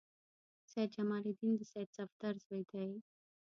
سید جمال الدین د سید صفدر زوی دی.